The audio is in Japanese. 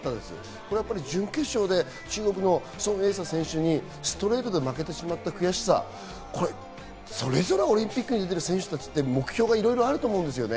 これは、やっぱり準決勝で中国のソン・エイサ選手にストレートで負けてしまった悔しさ、それぞれオリンピックに出ている選手たちって目標がいろいろあると思うんですね。